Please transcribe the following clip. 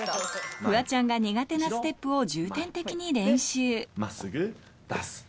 フワちゃんが苦手なステップを重点的に練習真っすぐ出す。